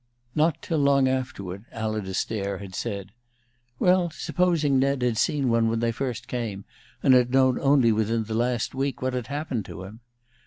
"Not till long afterward," Alida Stair had said. Well, supposing Ned had seen one when they first came, and had known only within the last week what had happened to him?